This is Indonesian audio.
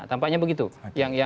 tampaknya begitu yang terjadi